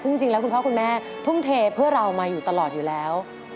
ซึ่งจริงแล้วคุณพ่อกูนแม่